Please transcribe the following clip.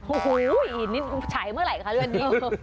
โอ้โหอีกนิดนึงฉายเมื่อไหร่ค่ะเรื่องนี้